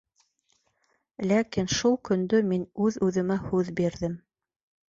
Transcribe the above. Ләкин шул көндө мин үҙ-үҙемә һүҙ бирҙем.